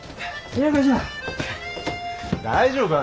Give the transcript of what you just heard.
大丈夫か？